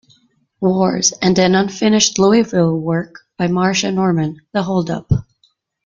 Wars", and an unfinished Louisville work by Marsha Norman, "The Holdup".